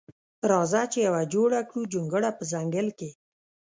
راخه چی یوه جوړه کړو جونګړه په ځنګل کی.